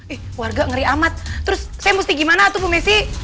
eh warga ngeri amat terus saya mesti gimana tuh bu messi